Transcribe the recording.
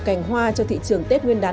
cành hoa cho thị trường tết nguyên đán